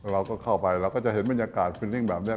เราก็เข้าไปเราก็จะเห็นบรรยากาศฟินนิ่งแบบนี้